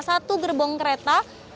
satu gerbong kereta